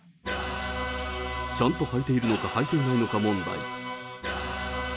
ちゃんと履いているのか、はいていないのか問題。